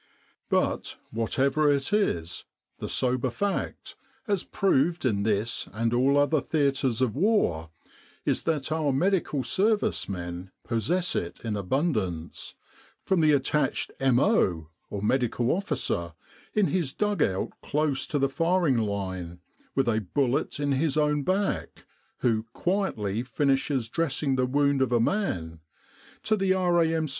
But whatever it is, the sober fact as proved in this and all other theatres of war is that our Medical Service men possess it in abundance, from the * 'attached*' M.Q. in his dug out close to the firing line, with a bullet in his own back, who "quietly" finishes dressing the wound of a man, to the R.A.M.